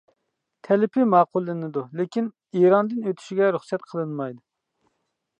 تەلىپى ماقۇللىنىدۇ، لېكىن ئىراندىن ئۆتۈشىگە رۇخسەت قىلىنمايدۇ.